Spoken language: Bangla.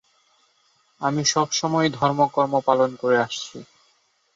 আমি সবসময়ই ধর্ম-কর্ম পালন করে আসছি।